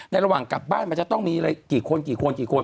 ในระหว่างกลับบ้านมันจะต้องมีกี่คน